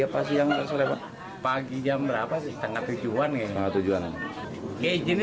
pagi jam berapa sih setengah tujuan ya